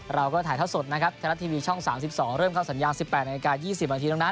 เราก็ถ่ายเท่าสดนะครับไทยรัฐทีวีช่อง๓๒เริ่มเข้าสัญญา๑๘นาที๒๐นาทีแล้วนะ